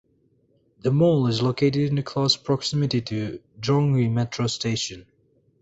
The mall is located in close proximity to Zhonghe metro station.